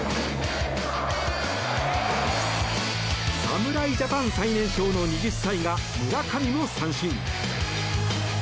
侍ジャパン最年少の２０歳が村上を三振。